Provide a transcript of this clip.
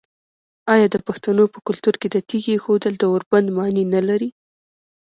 آیا د پښتنو په کلتور کې د تیږې ایښودل د اوربند معنی نلري؟